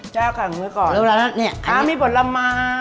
จะเอาแข็งไว้ก่อนอันนี้มีผลไม้